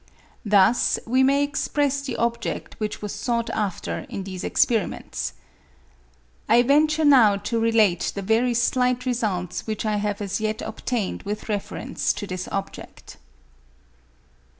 Thus we may express the object which was sought after in these experiments. I venture now to relate the very with Hieracium 365 slight results which I have as yet obtained with reference to this object.